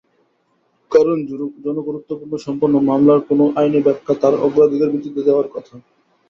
কারণ, জনগুরুত্বসম্পন্ন মামলার কোনো আইনি ব্যাখ্যা তাঁর অগ্রাধিকার ভিত্তিতে দেওয়ার কথা।